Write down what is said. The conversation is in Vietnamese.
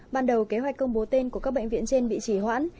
ban đầu kế hoạch công bố tên của các bệnh viện trên bị chỉ hoãn